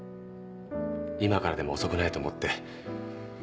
今からでも遅くないと思って